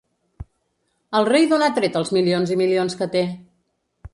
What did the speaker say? El rei d’on ha tret els milions i milions que té?